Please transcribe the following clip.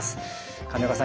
金岡さん